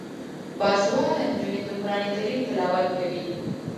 باسواده نجونې د قران کریم تلاوت کوي.